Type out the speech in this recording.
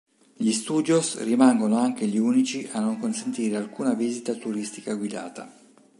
Gli Studios rimangono anche gli unici a non consentire alcuna visita turistica guidata.